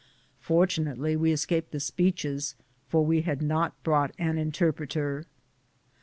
Fortunately we escaped the speeches, for we had not brought an interpreter.